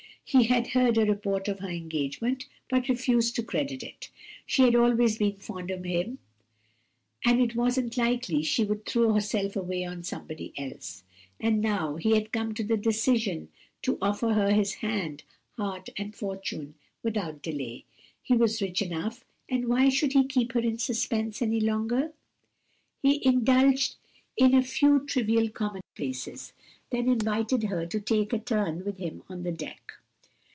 He had heard a report of her engagement, but refused to credit it. "She had always been fond of him and it wasn't likely she would throw herself away on somebody else." And now he had come to the decision to offer her his hand, heart, and fortune without delay. He was rich enough, and why should he keep her in suspense any longer? He indulged in a few trivial commonplaces, then invited her to take a turn with him on the deck.